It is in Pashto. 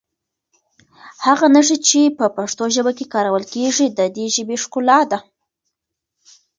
هغه نښې چې په پښتو ژبه کې کارول کېږي د دې ژبې ښکلا ده.